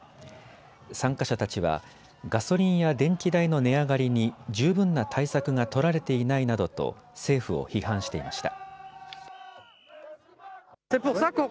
参加者たちはガソリンや電気代の値上がりに十分な対策が取られていないなどと政府を批判していました。